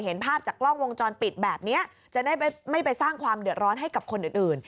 เห็นภาพจากกล้องวงจรปิดแบบนี้จะได้ไม่ไปสร้างความเดือดร้อนให้กับคนอื่น